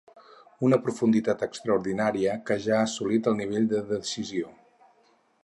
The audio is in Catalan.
Una profunditat extraordinària que ja ha assolit el nivell de decisió.